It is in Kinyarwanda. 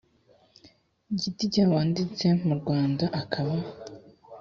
giti cye wanditse mu rwanda akaba